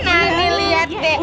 nah liat deh